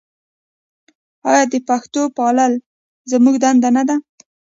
آیا د پښتو پالل زموږ دنده نه ده؟